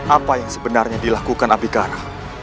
apa yang sebenarnya dilakukan abikara